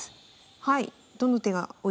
はい。